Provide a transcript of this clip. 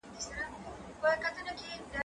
که وخت وي، سبزیحات جمع کوم!؟